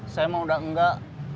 saya mau udah enggak